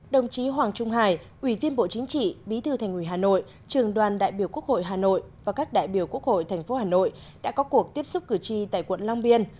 đồng chí hoàng trung hải ủy viên bộ chính trị bí thư thành ủy hà nội trường đoàn đại biểu quốc hội hà nội và các đại biểu quốc hội tp hà nội đã có cuộc tiếp xúc cử tri tại quận long biên